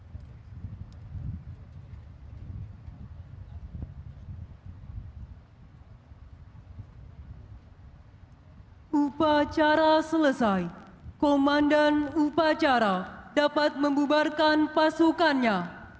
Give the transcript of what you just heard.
hai upacara selesai komandan upacara dapat membubarkan pasukannya